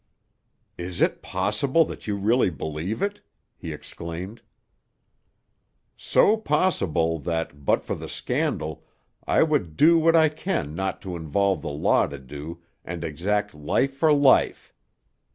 "Is it possible that you really believe it?" he exclaimed. "So possible that, but for the scandal, I would do what I can not invoke the law to do, and exact life for life.